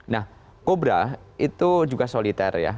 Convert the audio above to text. nah kobra itu juga soliter ya